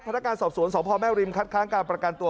พนักงานสอบสวนสพแม่ริมคัดค้างการประกันตัว